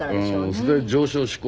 それで上昇志向